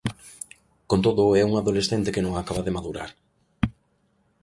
Con todo, é un adolescente que non acaba de madurar.